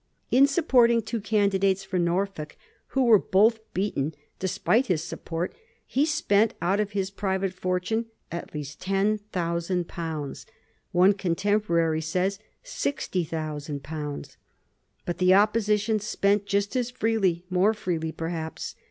In supporting two candidates for Nor folk, who were both beaten, despite his support, he spent out of his private fortune at least £10,000; one contempo rary says £60,000. But the Opposition spent just as freely — more freely, perhaps.